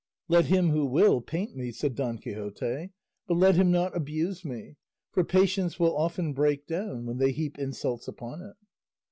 "Let him who will paint me," said Don Quixote; "but let him not abuse me; for patience will often break down when they heap insults upon it."